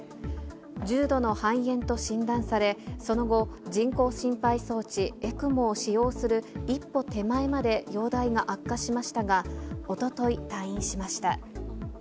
重度の肺炎と診断され、その後、人工心肺装置・ＥＣＭＯを使用する一歩手前まで容体が悪化しましたが、おととい、退院しました。